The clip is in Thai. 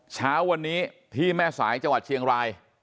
เช้าวันนี้ที่แม่สายจังหวัดเชียงราย